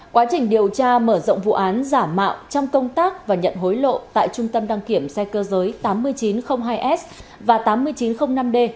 quá trình điều tra mở rộng vụ án giả mạo trong công tác và nhận hối lộ tại trung tâm đăng kiểm xe cơ giới tám nghìn chín trăm linh hai s và tám nghìn chín trăm linh năm d